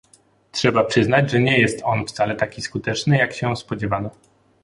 Trzeba przyznać, że nie jest on wcale taki skuteczny, jak się spodziewano